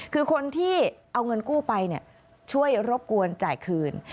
คือคนที่เอาเงินกู้ไปช่วยรบกวนจ่ายคืน